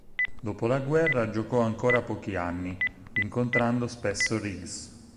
Dopo la guerra, giocò ancora pochi anni, incontrando spesso Riggs.